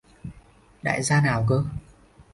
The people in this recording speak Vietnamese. Đại gia nào cơ